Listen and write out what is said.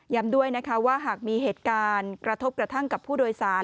ด้วยนะคะว่าหากมีเหตุการณ์กระทบกระทั่งกับผู้โดยสาร